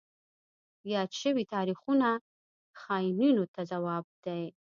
یاد شوي تاریخونه خاینینو ته ځواب دی.